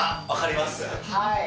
分かります？